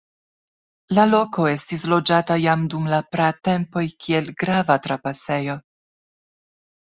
La loko estis loĝata jam dum la pratempoj, kiel grava trapasejo.